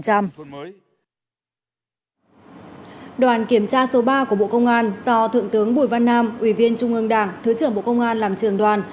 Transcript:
đoàn kiểm tra số ba của bộ công an do thượng tướng bùi văn nam ủy viên trung ương đảng thứ trưởng bộ công an làm trường đoàn